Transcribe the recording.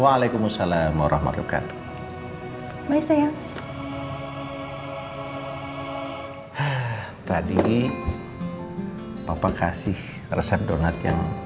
waalaikumsalam warahmatullahi wabarakatuh bye sayang tadi papa kasih resep donat yang